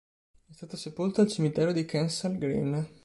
È stato sepolto al cimitero di Kensal Green.